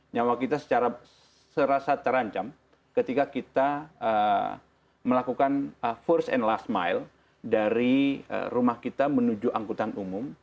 nyawa kita secara serasa terancam ketika kita melakukan first and last mile dari rumah kita menuju angkutan umum